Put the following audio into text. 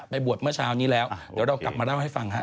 บวชเมื่อเช้านี้แล้วเดี๋ยวเรากลับมาเล่าให้ฟังฮะ